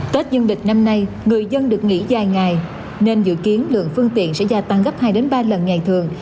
tết dương lịch năm nay người dân được nghỉ dài ngày nên dự kiến lượng phương tiện sẽ gia tăng gấp hai ba lần ngày thường